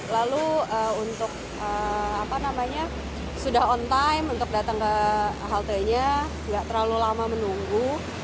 lalu untuk sudah on time untuk datang ke haltenya nggak terlalu lama menunggu